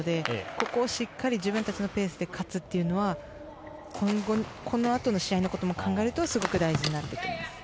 ここをしっかり自分たちのペースで勝つというのはこのあとの試合のことも考えるとすごく大事になってきます。